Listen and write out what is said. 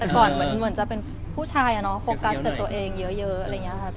แต่ก่อนเหมือนจะเป็นผู้ชายโฟกัสแต่ตัวเองเยอะอะไรอย่างนี้ค่ะ